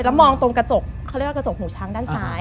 แล้วมองตรงกระจกเขาเรียกว่ากระจกหูช้างด้านซ้าย